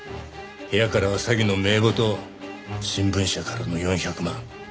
部屋からは詐欺の名簿と新聞社からの４００万。